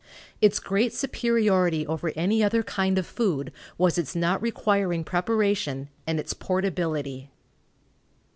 Its great superiority over any other kind of food was its not requiring preparation and its portability.